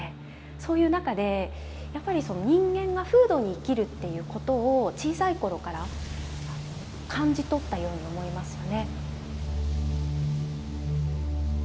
そういう中でやっぱり人間が風土に生きるっていうことを小さい頃から感じ取ったように思いますよね。